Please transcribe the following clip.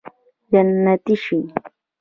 جنتي شې